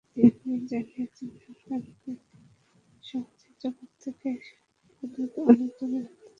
তিনি জানিয়েছেন, সন্তানকে শোবিজ জগৎ থেকে আপাতত অনেক দূরেই রাখতে চান।